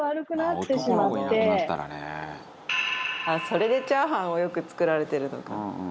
あっそれでチャーハンをよく作られてるのか。